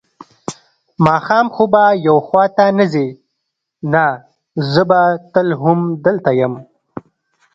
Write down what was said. ماښام خو به یو خوا ته نه ځې؟ نه، زه به تل همدلته یم.